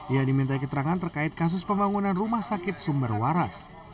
ia dimintai keterangan terkait kasus pembangunan rumah sakit sumber waras